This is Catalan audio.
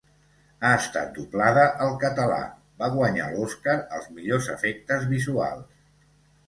Ha estat doblada al català Va guanyar l'Òscar als millors efectes visuals.